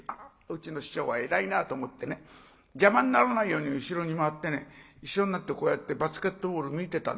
うちの師匠は偉いなと思って邪魔にならないように後ろに回って一緒になってこうやってバスケットボール見てたんです。